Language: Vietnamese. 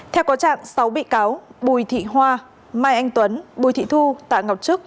theo có trạng sáu bị cáo bùi thị hoa mai anh tuấn bùi thị thu tạ ngọc trức